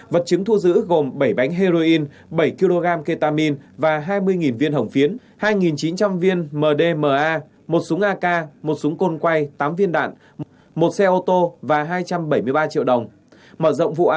vật chứng thu giữ gồm bảy bánh heroin bảy kg ketamine và hai mươi viên hổng phiến hai chín trăm linh viên mdma một súng ak một súng côn quay tám viên đạn một xe ô tô và hai trăm bảy mươi ba triệu đồng